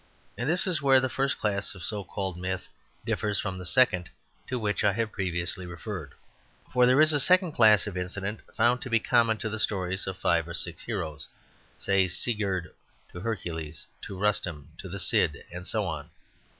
And this is where the first class of so called myth differs from the second to which I have previously referred. For there is a second class of incident found to be common to the stories of five or six heroes, say to Sigurd, to Hercules, to Rustem, to the Cid, and so on.